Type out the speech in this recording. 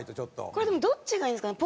これでもどっちがいいんですかね？